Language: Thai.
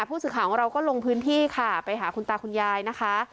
ผู้สื่อข่าวของเราก็ลงพื้นที่ค่ะไปหาคุณตาคุณยายนะคะ